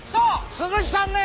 鈴木さんね